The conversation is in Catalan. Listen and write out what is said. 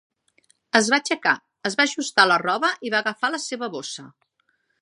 Es va aixecar, es va ajustar la roba i va agafar la seva bossa.